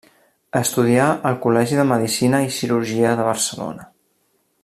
Estudià al Col·legi de Medicina i Cirurgia de Barcelona.